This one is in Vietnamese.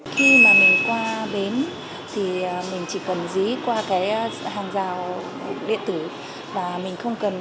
khi mà mình qua bến thì mình chỉ cần dí qua cái hàng rào điện tử và mình không cần